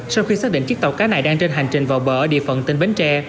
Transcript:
sau khi xác định chiếc tàu cá này đang trên hành trình vào bờ địa phận tỉnh bến tre